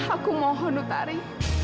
aku mohon utari